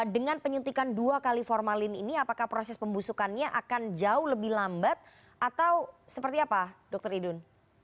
dengan penyuntikan dua kali formalin ini apakah proses pembusukannya akan jauh lebih lambat atau seperti apa dr idun